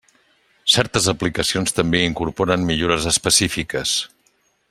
Certes aplicacions també incorporen millores específiques.